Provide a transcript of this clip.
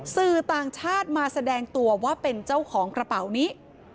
สื่อต่างชาติมาแสดงตัวว่าเป็นเจ้าของกระเป๋านี้